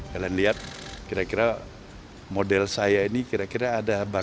kalian lihat kira kira model saya ini kira kira ada berapa